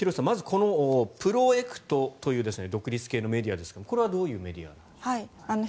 まずこのプロエクトという独立系のメディアですが、これはどういうメディアでしょうか。